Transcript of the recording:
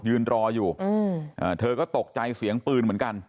ยืนรออยู่เธอก็ตกใจเสียงปืนเหมือนกัน